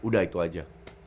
udah itu aja